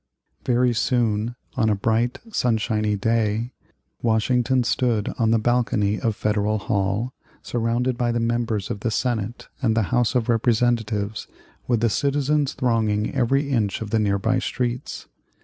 Very soon, on a bright, sunshiny day, Washington stood on the balcony of Federal Hall, surrounded by the members of the Senate and the House of Representatives, with the citizens thronging every inch of the nearby streets.